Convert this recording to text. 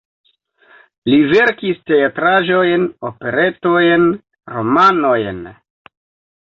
Li verkis teatraĵojn, operetojn, romanojn.